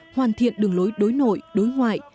hoàn thiện đường lối đối nội đối ngoại